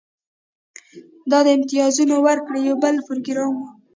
دا د امتیازونو ورکړې یو بل پروګرام و